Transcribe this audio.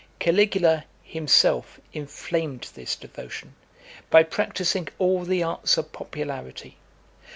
XV. Caligula himself inflamed this devotion, by practising all the arts of popularity.